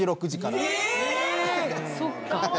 そっか。